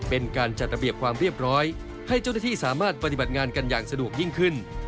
เป็นการจัดระเบียบความเรียบร้อยให้เจ้าหน้าที่สามารถปฏิบัติงานกันอย่างสะดวกยิ่งขึ้น